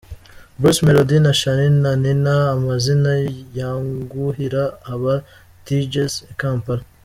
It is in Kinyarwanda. Bruce Melody na Charly na Nina, amazina yanguhira aba Djs i Kampala.